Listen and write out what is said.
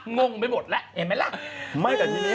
งงไม่หมดแหละนะเห็นไหมล่ะ